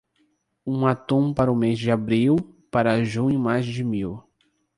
Um atum para o mês de abril, para junho mais de mil.